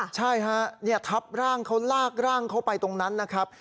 ใช่ฮะทับร่างเขาลากร่างเขาไปตรงนั้นนะครับ